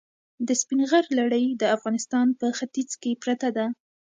د سپین غر لړۍ د افغانستان په ختیځ کې پرته ده.